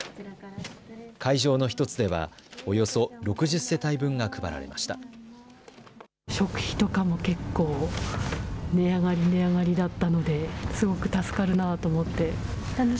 会場の１つではおよそ６０世帯分が配られました。